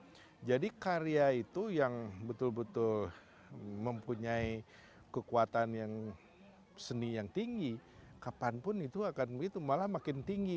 pembicara enam puluh satu jadi karya itu yang betul betul mempunyai kekuatan yang seni yang tinggi kapanpun itu akan begitu malah makin tinggi gitu